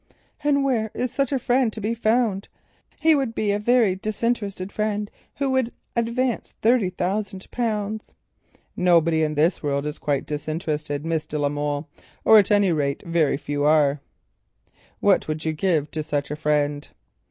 "And where is such a friend to be found? He must be a very disinterested friend who would advance thirty thousand pounds." "Nobody in this world is quite disinterested, Miss de la Molle; or at any rate very few are. What would you give to such a friend?"